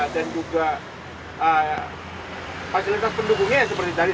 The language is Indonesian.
dan juga fasilitas pendukungnya seperti tadi